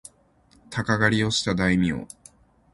鷹狩をした大名